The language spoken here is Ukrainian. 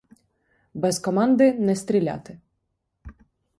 Без команди не стріляти.